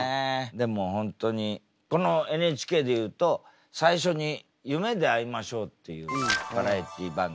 でも本当にこのＮＨＫで言うと最初に「夢であいましょう」っていうバラエティー番組があって。